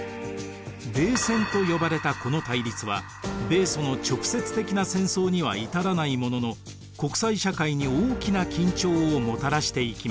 冷戦と呼ばれたこの対立は米ソの直接的な戦争には至らないものの国際社会に大きな緊張をもたらしていきます。